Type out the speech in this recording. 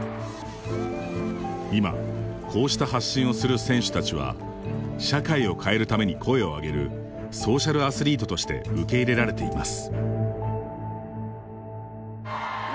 今こうした発信をする選手たちは社会を変えるために声をあげるソーシャルアスリートとして受け入れられています。